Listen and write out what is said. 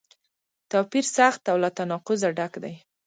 توپیر سخت او له تناقضه ډک دی.